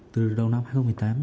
từ đầu năm hai nghìn một mươi tám